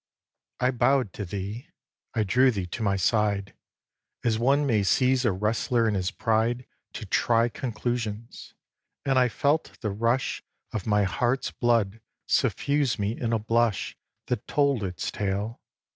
vi. I bow'd to thee. I drew thee to my side, As one may seize a wrestler in his pride To try conclusions, and I felt the rush Of my heart's blood suffuse me in a blush That told its tale.